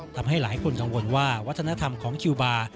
ทำให้หลายคนกังวลว่าวัฒนธรรมของคิวบาร์